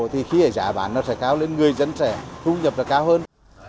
thì khí giá bán nó sẽ cao lên người dân sẽ thu nhập là cao hơn